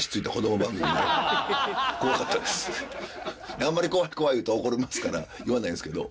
あんまり「怖い怖い」言うと怒りますから言わないんですけど。